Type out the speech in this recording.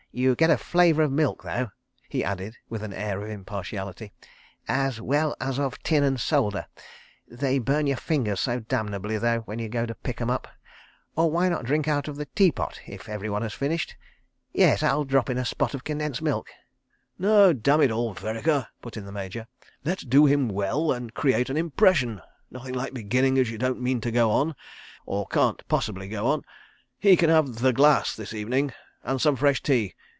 "You get a flavour of milk, though," he added with an air of impartiality, "as well as of tin and solder. ... They burn your fingers so damnably, though, when you go to pick 'em up. ... Or why not drink out of the teapot, if everyone has finished? ... Yes—I'll drop in a spot of condensed milk." "No—damn it all, Vereker," put in the Major, "let's do him well and create an impression. Nothing like beginning as you don't mean to go on—or can't possibly go on. ... He can have The Glass this evening. And some fresh tea.